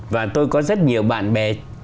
và tôi có rất nhiều bạn bè